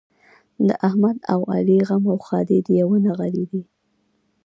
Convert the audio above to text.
د احمد او علي غم او ښادي د یوه نغري دي.